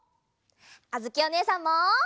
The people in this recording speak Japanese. あづきおねえさんも！